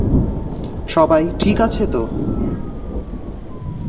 সবাই ঠিক আছো তো?